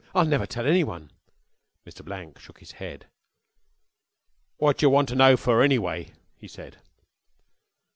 "I'll never tell anyone." Mr. Blank shook his head. "What yer want ter know fer, anyway?" he said.